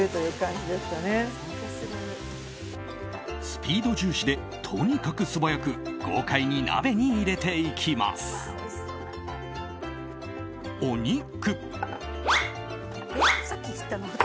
スピード重視でとにかく素早く豪快に鍋に入れていきます。